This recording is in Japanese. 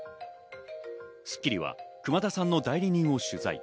『スッキリ』は熊田さんの代理人を取材。